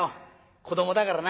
子どもだからな。